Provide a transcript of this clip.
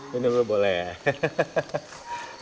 minum dulu boleh ya